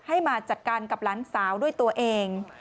ให้มาจัดการกับหลานสาวด้วยตัวเอง